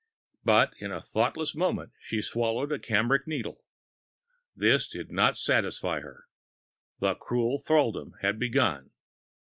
But in a thoughtless moment she swallowed a cambric needle. This did not satisfy her. The cruel thraldom had begun.